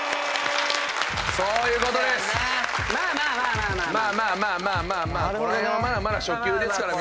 そういうことです。